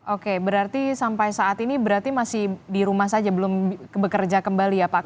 oke berarti sampai saat ini berarti masih di rumah saja belum bekerja kembali ya pak